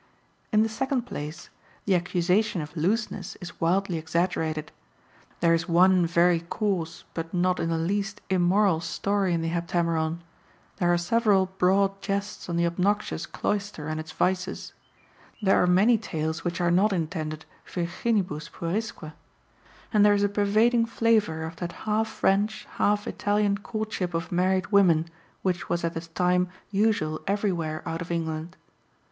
In the second place, the accusation of looseness is wildly exaggerated. There is one very coarse but not in the least immoral story in the Heptameron; there are several broad jests on the obnoxious cloister and its vices, there are many tales which are not intended virginibus puerisque, and there is a pervading flavour of that half French, half Italian courtship of married women which was at the time usual everywhere out of England.